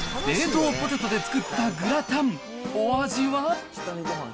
冷凍ポテトで作ったグラタン。